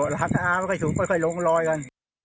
หักทะอาไปถูกค่อยลงรอยกัน